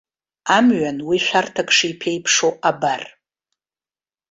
Амҩан уи шәарҭак шиԥеиԥшу абар.